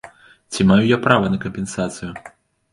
Ці маю я права на кампенсацыю?